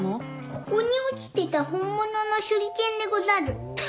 ここに落ちてた本物の手裏剣でござる。